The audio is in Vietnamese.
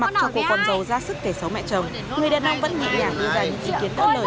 mặc cho cô con dâu ra sức thể xấu mẹ chồng người đàn ông vẫn nhẹ nhàng đi ra những sự kiện tỡ lời